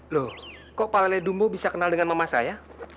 loh kok pak lele dumbo bisa kenal dengan mama saya